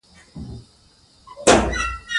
رسوب د افغانانو د اړتیاوو د پوره کولو یوه وسیله ده.